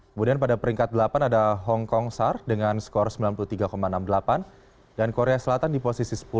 kemudian pada peringkat delapan ada hong kongsar dengan skor sembilan puluh tiga enam puluh delapan dan korea selatan di posisi sepuluh